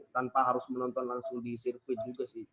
tanpa harus menonton langsung di sirkuit juga sih